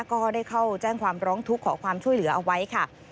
ก็ได้เข้าแจ้งความร้องทุกข์ขอความช่วยเหลือเอาไว้ค่ะ